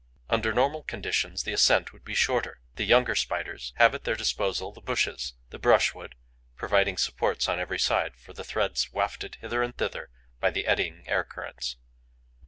Under normal conditions, the ascent would be shorter. The young Spiders have at their disposal the bushes, the brushwood, providing supports on every side for the threads wafted hither and thither by the eddying air currents.